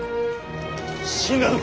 死んだのか！？